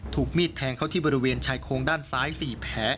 ถูกมีดแทงเข้าที่บริเวณชายโครงด้านซ้าย๔แผล